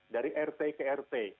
dari rt ke rt